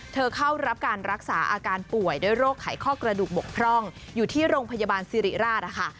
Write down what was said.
เข้ารับการรักษาอาการป่วยด้วยโรคไขข้อกระดูกบกพร่องอยู่ที่โรงพยาบาลสิริราชนะคะ